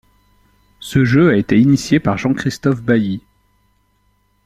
Ce jeu a été initié par Jean-Christophe Baillie.